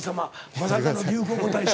まさかの流行語大賞。